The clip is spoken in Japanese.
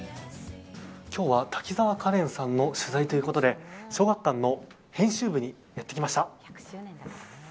今日は滝沢カレンさんの取材ということで小学館の編集部にやってきました。